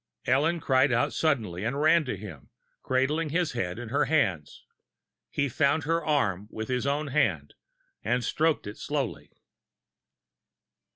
Ellen cried out suddenly, and ran to him, cradling his head in her hands. He found her arm with his own hand, and stroked it slowly.